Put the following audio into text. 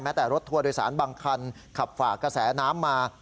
แต่รถทัวร์โดยสารบางคันขับฝากกระแสน้ำมา